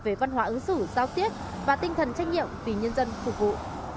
về văn hóa ứng xử giao tiếp và tinh thần trách nhiệm vì nhân dân phục vụ